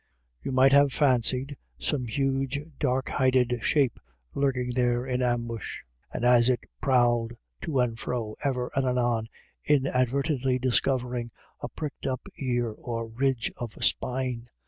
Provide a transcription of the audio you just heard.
You might have fancied some huge dark hided shape lurking there in ambush, and as it prowled to and fro, ever and anon inadvertently discovering a pricked up ear or ridge of spine.